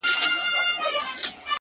ما په خريلي مخ الله ته سجده وکړه-